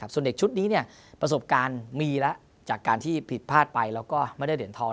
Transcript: ส่วนเด็กชุดนี้ประสบการณ์มีแล้วจากการที่ผิดพลาดไปแล้วก็ไม่ได้เหรียญทอง